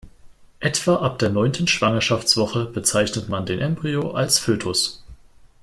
Etwa ab der neunten Schwangerschaftswoche bezeichnet man den Embryo als Fötus.